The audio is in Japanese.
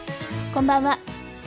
こんばんは。